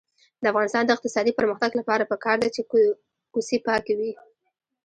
د افغانستان د اقتصادي پرمختګ لپاره پکار ده چې کوڅې پاکې وي.